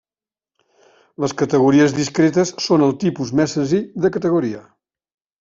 Les categories discretes són el tipus més senzill de categoria.